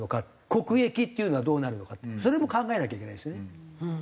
国益っていうのはどうなるのかってそれも考えなきゃいけないですね。